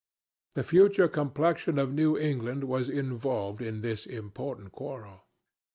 The future complexion of New England was involved in this important quarrel.